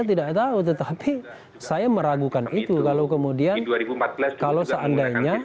tidak ada yang tahu tetapi saya meragukan itu kalau kemudian kalau seandainya